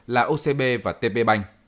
là ocb và tpbank